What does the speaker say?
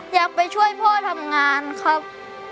อยากไปช่วยพ่อทำงานครับ